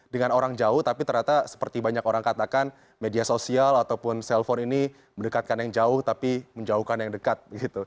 dengan orang jauh tapi ternyata seperti banyak orang katakan media sosial ataupun cell phone ini mendekatkan yang jauh tapi menjauhkan yang dekat